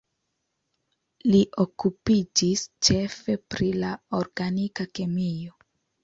Li okupiĝis ĉefe pri la organika kemio.